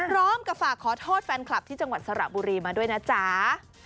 พร้อมกับฝากขอโทษแฟนคลับที่จังหวัดสระบุรีมาด้วยนะจ๊ะ